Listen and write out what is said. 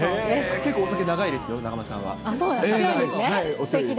結構、お酒長いですよ、そうなんだ。